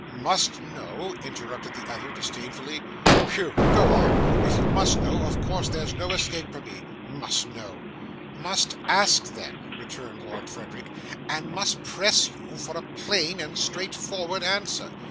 'MUST know,' interrupted the other disdainfully. 'Whew! Go on. If you must know, of course there's no escape for me. Must know!' 'Must ask then,' returned Lord Frederick, 'and must press you for a plain and straightforward answer.